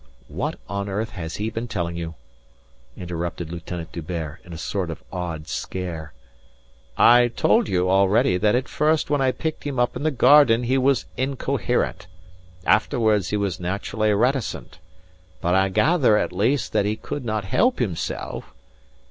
"What on earth has he been telling you?" interrupted Lieutenant D'Hubert in a sort of awed scare. "I told, you already that at first when I picked him up in the garden he was incoherent. Afterwards he was naturally reticent. But I gather at least that he could not help himself...."